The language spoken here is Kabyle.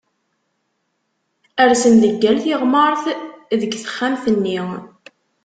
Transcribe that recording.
Rsen deg yal tiɣmert deg texxamt-nni